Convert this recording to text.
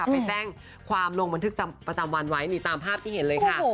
ไปแจ้งความลงบันทึกประจำวันไว้นี่ตามภาพที่เห็นเลยค่ะ